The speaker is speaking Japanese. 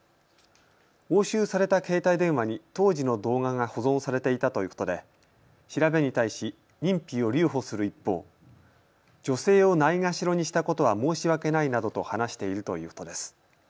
押収された携帯電話に当時の動画が保存されていたということで調べに対し認否を留保する一方、女性をないがしろにしたことは申し訳ないなどと話しているということです。